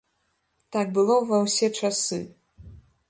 Так было ва ўсе часы.